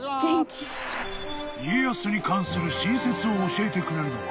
［家康に関する新説を教えてくれるのは］